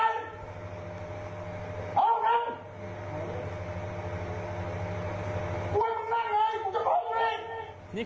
นั่งขาเช็ด